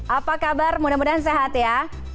apa kabar mudah mudahan sehat ya